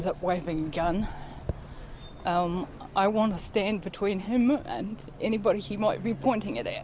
saya ingin berdiri antara dia dan orang lain yang dia mungkin menunjukkan